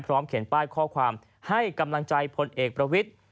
เขียนป้ายข้อความให้กำลังใจพลเอกประวิทธิ์